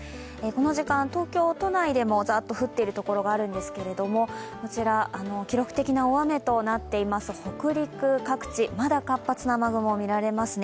この時間、東京都内でもザッと降っているところがあるんですけど、こちら、記録的な大雨となっています、北陸各地まだ活発な雨雲が見られます。